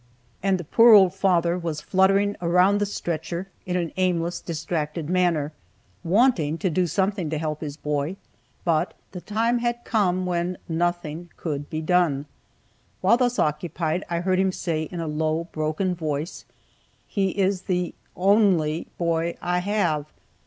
And the poor old father was fluttering around the stretcher, in an aimless, distracted manner, wanting to do something to help his boy but the time had come when nothing could be done. While thus occupied I heard him say in a low, broken voice, "He is the only boy I have."